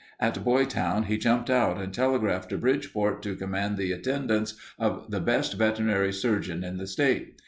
At Boytown he jumped out and telegraphed to Bridgeport to command the attendance of the best veterinary surgeon in the state.